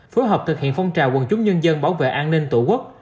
phối hợp thực hiện phong trào quần chúng nhân dân bảo vệ an ninh tổ quốc